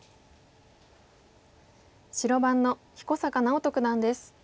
白番の彦坂直人九段です。